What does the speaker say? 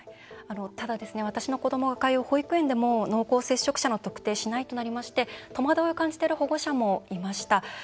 ただ、私の子どもが通う保育園でも濃厚接触者の特定をしないとなりまして戸惑いを感じている保護者もいました。